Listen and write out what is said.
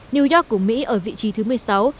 new york của mỹ ở vị trí thứ một mươi sáu